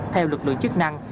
theo lực lượng chức năng